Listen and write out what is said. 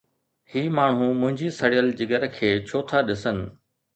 هي ماڻهو منهنجي سڙيل جگر کي ڇو ٿا ڏسن؟